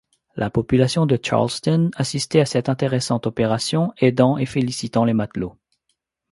La population de Charleston assistait à cette intéressante opération, aidant et félicitant les matelots.